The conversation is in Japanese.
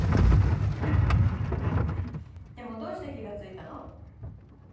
でもどうして気が付いたの？